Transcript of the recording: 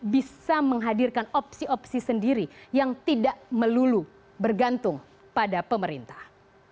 bisa menghadirkan opsi opsi sendiri yang tidak melulu bergantung pada pemerintah